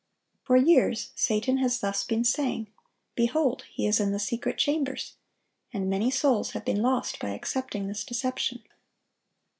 For years Satan has thus been saying, "Behold, He is in the secret chambers,"(922) and many souls have been lost by accepting this deception.